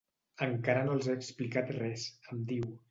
Encara no els he explicat res —em diu—.